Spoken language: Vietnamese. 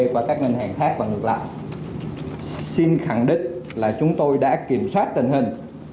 qua các ngân hàng khác và ngược lại xin khẳng định là chúng tôi đã kiểm soát tình hình